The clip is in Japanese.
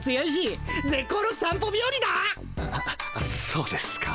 そうですか？